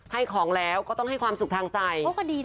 ให้ของแล้วก็ต้องให้ความสุขทางใจ